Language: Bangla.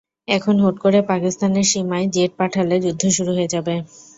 এখন হুট করে পাকিস্তানের সীমায় জেট পাঠালে যু্দ্ধ শুরু হয়ে যাবে।